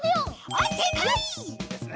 あっせいかい！